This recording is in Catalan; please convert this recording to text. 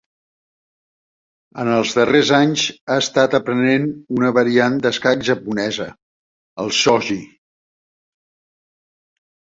En els darrers anys, ha estat aprenent una variant d'escac japonesa, el shogi.